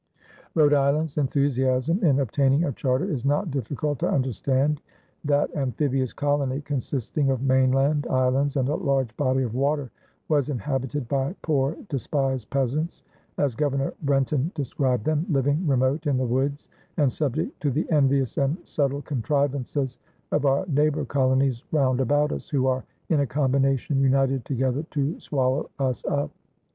Rhode Island's enthusiasm in obtaining a charter is not difficult to understand. That amphibious colony, consisting of mainland, islands, and a large body of water, was inhabited by "poor despised peasants," as Governor Brenton described them, "living remote in the woods" and subject to the "envious and subtle contrivances of our neighbour colonies round about us, who are in a combination united together to swallow us up."